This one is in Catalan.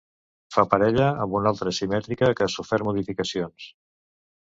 Fa parella amb una altra simètrica que ha sofert modificacions.